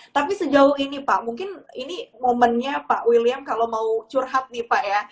tapi sejauh ini pak mungkin ini momennya pak william kalau mau curhat nih pak ya